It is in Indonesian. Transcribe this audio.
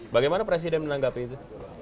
bagaimana presiden menanggapi itu